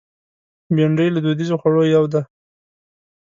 بېنډۍ له دودیزو خوړو یو دی